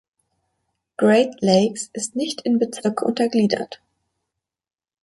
Great Lakes ist nicht in Bezirke untergliedert.